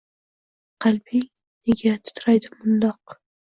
Qalbing nega titraydi mundoq